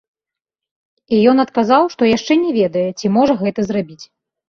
І ён адказаў, што яшчэ не ведае, ці можа гэта зрабіць.